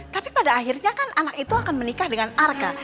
tapi pada akhirnya kan anak itu akan menikah dengan arka